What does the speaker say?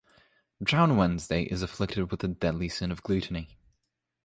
Drowned Wednesday is afflicted with the deadly sin of gluttony.